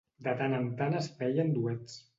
De tant en tant es feien duets.